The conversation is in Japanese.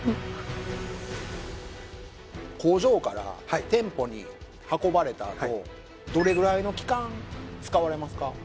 工場から店舗に運ばれたあとどれぐらいの期間使われますか？